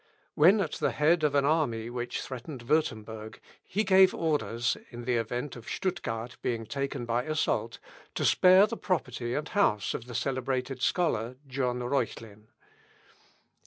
When at the head of an army which threatened Wurtemberg, he gave orders, in the event of Stuttgard being taken by assault, to spare the property and house of the celebrated scholar, John Reuchlin.